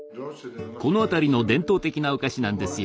この辺りの伝統的なお菓子なんですよ。